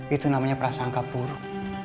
itu namanya prasangka buruk